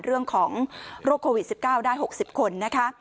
เรื่องของโรคโควิด๑๙ได้๖๐คนนะคะ